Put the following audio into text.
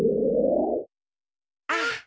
あっ。